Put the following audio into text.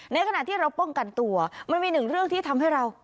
ในขณะที่เราป้องกันตัวมันมีหนึ่งเรื่องที่ทำให้เรา